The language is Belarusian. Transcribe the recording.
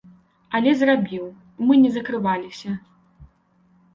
Але зрабіў, мы не закрываліся.